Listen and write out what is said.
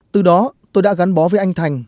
từ đó tôi đã gắn bó với anh thành